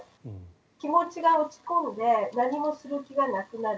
気持ちが落ち込んで何もする気がなくなる。